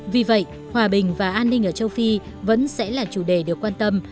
vì vậy hòa bình và an ninh ở châu phi vẫn sẽ là chủ đề được quan tâm